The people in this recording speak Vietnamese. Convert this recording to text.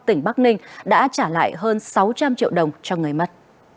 tỉnh bắc ninh đã trả lại hơn sáu trăm linh triệu đồng cho người mất